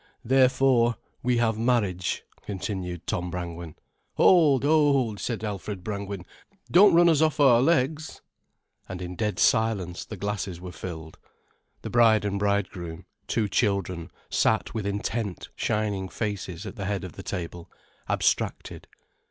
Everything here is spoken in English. "Therefore we have marriage," continued Tom Brangwen. "Hold, hold," said Alfred Brangwen. "Don't run us off our legs." And in dead silence the glasses were filled. The bride and bridegroom, two children, sat with intent, shining faces at the head of the table, abstracted.